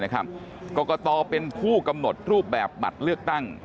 กรกตเป็นผู้กำหนดรูปแบบบัตรเลือกตั้ง